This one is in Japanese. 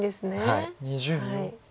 はい。